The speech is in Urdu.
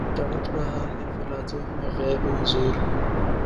تڑپ رہا ہے فلاطوں میان غیب و حضور